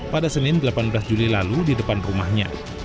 pada senin delapan belas juli lalu di depan rumahnya